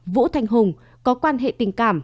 vũ thanh hùng có quan hệ tình cảm